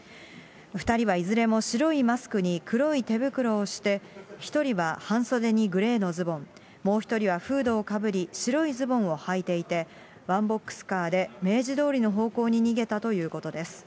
２人はいずれも白いマスクに黒い手袋をして１人は半袖にグレーのズボン、もう１人はフードをかぶり、白いズボンをはいていて、ワンボックスカーで明治通りの方向に逃げたということです。